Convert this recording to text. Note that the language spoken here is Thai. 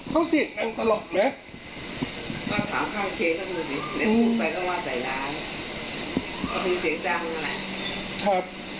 เขาเสียงดังตลอดไหม